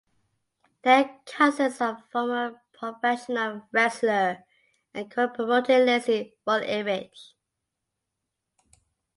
They are cousins of former professional wrestler and current promoter Lacey Von Erich.